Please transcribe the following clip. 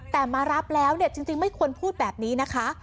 แต่มารับแล้วเนี่ยจริงไม่ควรพูดแบบนี้นะคะ